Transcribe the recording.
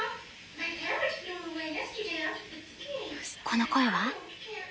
この声は？